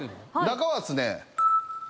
中はですね。